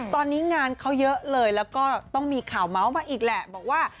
ตอนนี้งานเขาเยอะเลยแล้วก็มีข่าวเมาส์มาอีกแหละ